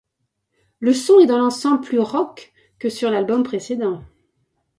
Le son est dans l'ensemble plus rock que sur l'album précédent.